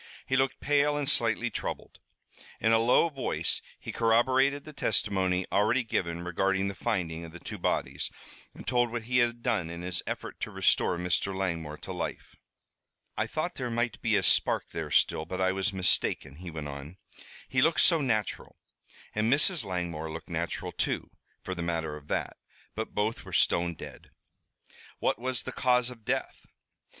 He looked pale and slightly troubled. In a low voice he corroborated the testimony already given regarding the finding of the two bodies, and told what he had done in his effort to restore Mr. Langmore to life. "I thought there might be a spark there still, but I was mistaken," he went on. "He looked so natural and Mrs. Langmore looked natural, too, for the matter of that. But both were stone dead." "What was the cause of death?"